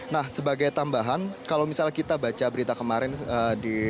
nah sebagai tambahan kalau misalnya kita baca berita kemarin di